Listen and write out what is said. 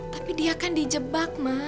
tapi dia kan dijebak ma